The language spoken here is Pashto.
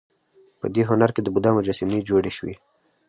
په دې هنر کې د بودا مجسمې جوړې شوې